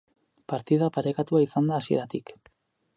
Partida parekatua izan da hasieratik.